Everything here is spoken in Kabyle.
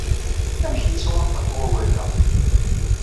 Amek yettwanṭaq wawal-a?